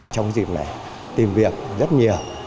trong dịp này tìm việc rất nhiều